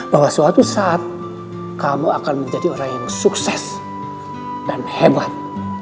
bahwa suatu saat kamu akan menjadi orang yang sukses dan hebat